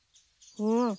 うん。